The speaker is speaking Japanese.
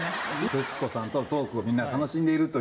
徹子さんとのトークをみんなが楽しんでいるという。